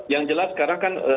yang jelas sekarang kan